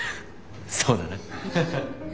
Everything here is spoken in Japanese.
そうだな。